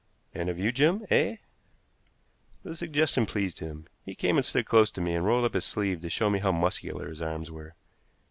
"And of you, Jim eh?" The suggestion pleased him. He came and stood close to me, and rolled up his sleeve to show me how muscular his arms were.